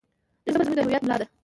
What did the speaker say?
ژبه زموږ د هویت ملا ده.